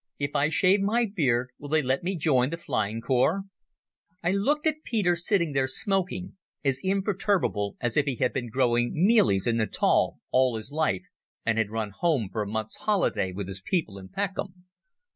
If I shave my beard will they let me join the Flying Corps?" I looked at Peter sitting there smoking, as imperturbable as if he had been growing mealies in Natal all his life and had run home for a month's holiday with his people in Peckham.